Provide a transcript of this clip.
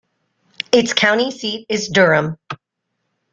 Its county seat is Durham.